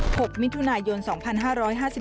โปรดติดตามตอนต่อไป